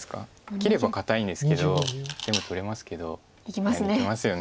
切れば堅いんですけど全部取れますけど。いきますね。